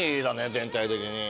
全体的に。